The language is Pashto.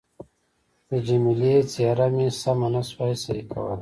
د جميله څېره مې سمه نه شوای صحیح کولای.